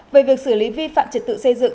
về việc xử lý vi phạm trật tự xây dựng